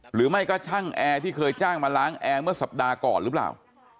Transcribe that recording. หรือไม่ก็ช่างแอร์ที่เคยจ้างมาล้างแอร์เมื่อสัปดาห์ก่อนหรือเปล่า